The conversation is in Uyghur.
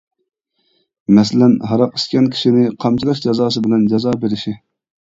مەسىلەن، ھاراق ئىچكەن كىشىنى قامچىلاش جازاسى بىلەن جازا بېرىشى.